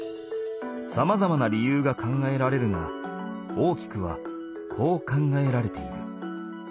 さまざまな理由が考えられるが大きくはこう考えられている。